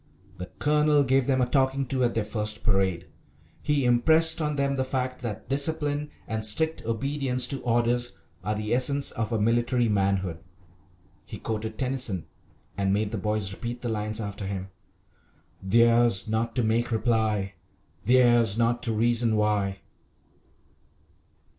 The Colonel gave them a talking to at their first parade. He impressed on them the fact that discipline and strict obedience to orders are the essence of a military manhood. He quoted Tennyson, and made the boys repeat the lines after him: "Theirs not to make reply, Theirs not to reason why."